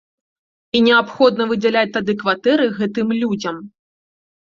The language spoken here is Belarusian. І неабходна выдзяляць тады кватэры гэтым людзям.